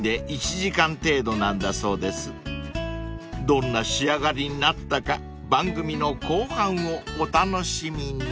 ［どんな仕上がりになったか番組の後半をお楽しみに！］